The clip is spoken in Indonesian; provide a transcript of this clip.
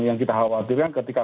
yang kita khawatirkan ketika